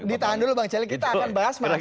ditahan dulu bang celi kita akan bahas masalah itu